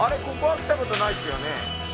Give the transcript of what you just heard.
ここは来たことないっすよね。